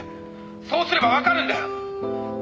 「そうすればわかるんだよ！」